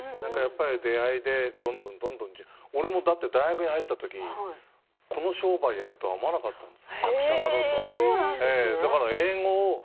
出会いでどんどんどんどん俺も大学に入った時この商売やると思わなかったんです。